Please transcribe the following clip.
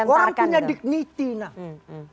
orang punya dignity lah